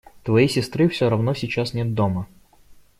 Твоей сестры все равно сейчас нет дома.